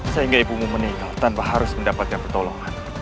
sehingga ibumu meninggal tanpa harus mendapatkan pertolongan